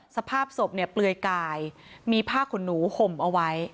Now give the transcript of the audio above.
สภาพศพเนี่ยเปลือยกายมีผ้าขนหนูห่มเอาไว้